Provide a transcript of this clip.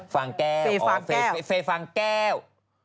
ฟางแก้วอ๋อเฟย์ฟางแก้ว